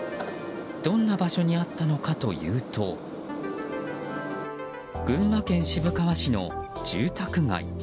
どんな場所にあったのかというと群馬県渋川市の住宅街。